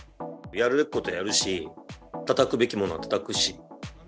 やるべきことはやるし、たたくべきものはたたくし。